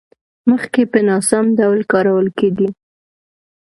مخکې په ناسم ډول کارول کېدې.